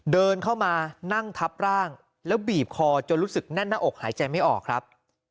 เดินเข้ามานั่งทับร่างแล้วบีบคอจนรู้สึกแน่นหน้าอกหายใจไม่ออกครับ